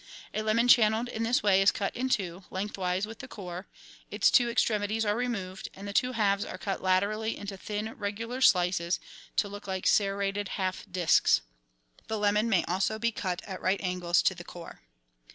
A lemon channelled in this way is cut in two, lengthwise with the core ; its two extremities are removed, and the two halves are cut laterally into thin, regular slices to look like serrated half discs. The lemon may also be cut at right angles to the core.